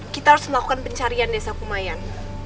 kita harus melakukan pencarian desa kumayan